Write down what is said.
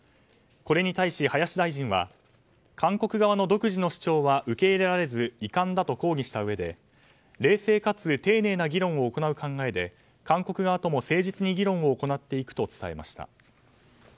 これに対し林大臣は韓国側の独自の主張は受け入れられず遺憾だと抗議したうえで冷静かつ丁寧な議論を行う考えで韓国側とも誠実に議論を行っていくと伝えました。